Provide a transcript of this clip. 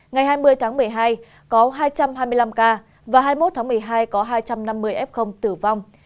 ngày hai mươi tháng một mươi hai có hai trăm hai mươi năm ca và hai mươi một tháng một mươi hai có hai trăm năm mươi f tử vong